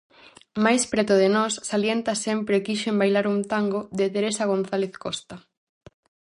Máis preto de nós, salienta Sempre quixen bailar un tango, de Teresa González Costa.